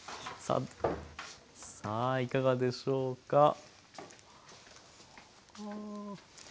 さあいかがでしょうか？